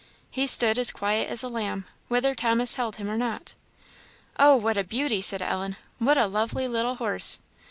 He stood as quiet as a lamb, whether Thomas held him or not. "Oh, what a beauty!" said Ellen "what a lovely little horse!"